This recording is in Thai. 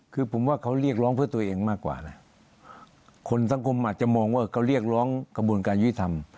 คือผมว่าเขาเรียกร้องเพื่อตัวเองมากกว่านะคนสังคมอาจจะมองว่าเขาเรียกร้องกระบวนการยุติธรรม